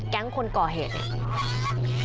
คนก่อเหตุเนี่ย